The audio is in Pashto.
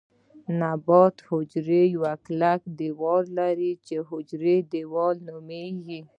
نباتي حجره یو کلک دیوال لري چې حجروي دیوال نومیږي